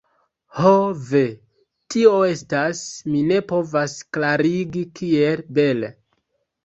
Ho ve... tio estas... mi ne povas klarigi kiel bele